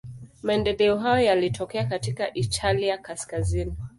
Maendeleo hayo yalitokea katika Italia kaskazini.